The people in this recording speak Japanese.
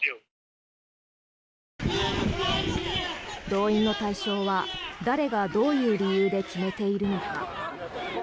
動員の対象は、誰がどういう理由で決めているのか。